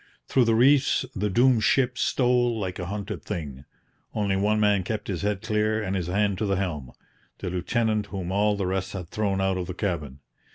Through the reefs the doomed ship stole like a hunted thing. Only one man kept his head clear and his hand to the helm the lieutenant whom all the rest had thrown out of the cabin.